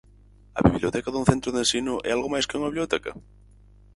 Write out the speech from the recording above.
A biblioteca dun centro de ensino é algo máis que unha biblioteca?